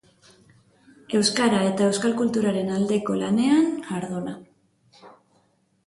Euskara eta Euskal kulturaren aldeko lanean jarduna.